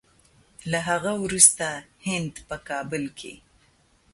له هغه وروسته هند په کابل کې